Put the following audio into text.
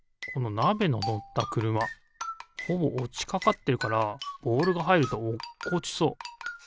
このなべののったくるまほぼおちかかってるからボールがはいるとおっこちそう。